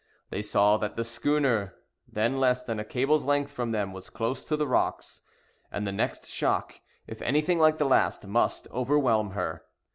They saw that the schooner, then less than a cable's length from them, was close to the rocks; and the next shock, if anything like the last, must overwhelm her.